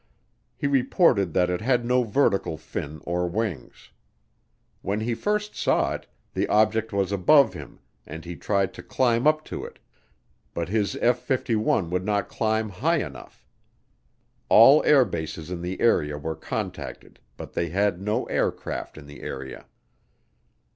He reported that it had no vertical fin or wings. When he first saw it, the object was above him and he tried to climb up to it, but his F 51 would not climb high enough. All air bases in the area were contacted but they had no aircraft in the area.